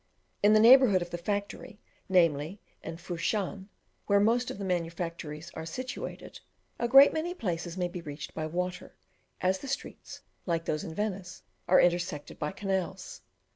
In the neighbourhood of the factory, namely in Fousch an, where most of the manufactories are situated, a great many places may be reached by water, as the streets, like those in Venice, are intersected by canals.